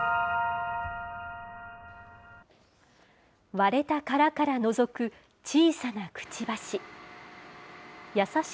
割れた殻からのぞく小さなくちばし。